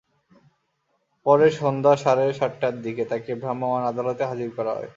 পরে সন্ধ্যা সাড়ে সাতটার দিকে তাঁকে ভ্রাম্যমাণ আদালতে হাজির করা হয়।